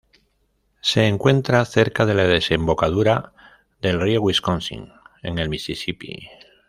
Se encuentra cerca de la desembocadura del río Wisconsin en el Misisipí.